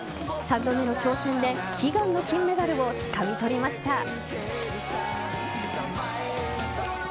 ３度目の挑戦で悲願の金メダルをつかみ取りました。